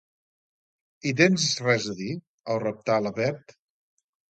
Hi tens res a dir? —el reptà la Bet.